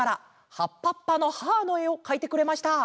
「はっぱっぱのハーッ！」のえをかいてくれました。